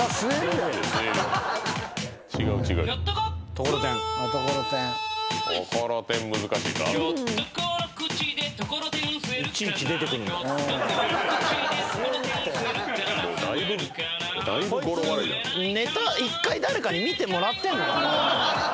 「こいつネタ１回誰かに見てもらってんのかな？」